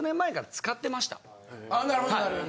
あなるほどなるほど。